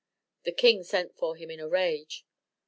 The king sent for him in a rage.